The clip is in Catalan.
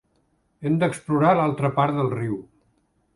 Hem d'explorar l'altra part del riu.